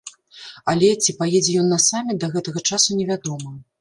Але, ці паедзе ён на саміт, да гэтага часу не вядома.